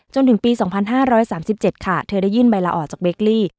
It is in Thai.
จนถึงปี๒๕๓๗ค่ะเธอได้ยื่นใบลาออกจากเบคลี่